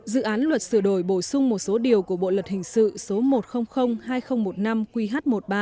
dự án luật sửa đổi bổ sung một số điều của bộ luật hình sự số một trăm linh hai nghìn một mươi năm qh một mươi ba